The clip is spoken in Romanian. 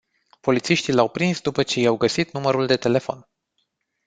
Polițiștii l-au prins după ce i-au găsit numărul de telefon.